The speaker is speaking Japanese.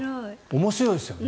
面白いですよね。